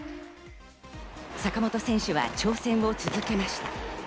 坂本選手は挑戦を続けました。